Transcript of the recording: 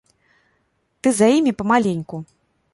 Ты за імі памаленьку.